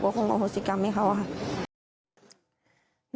ก็คงเอาภูติกรรมให้เขาค่ะ